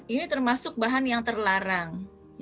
ini termasuk bahan yang terlarang